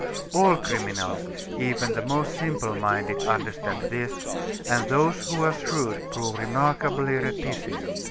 All criminals, even the most simple minded, understand this, and those who are shrewd prove remarkably reticent.